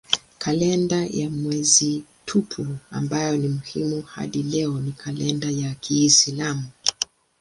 Kalenda ya mwezi tupu ambayo ni muhimu hadi leo ni kalenda ya kiislamu.